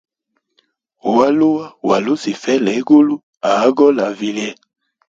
Ualua wa lusifeli, egulu a agole a vilye.